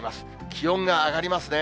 気温が上がりますね。